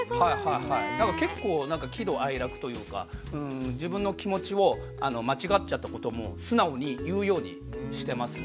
結構喜怒哀楽というか自分の気持ちを間違っちゃったことも素直に言うようにしてますね。